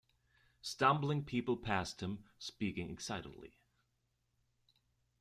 Stumbling people passed him, speaking excitedly.